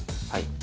はい。